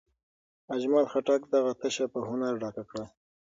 اجمل خټک دغه تشه په هنر ډکه کړه.